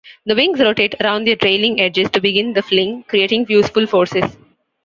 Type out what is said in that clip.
The wings rotate around their trailing edges to begin the "fling", creating useful forces.